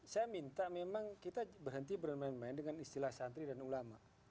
saya minta memang kita berhenti bermain main dengan istilah santri dan ulama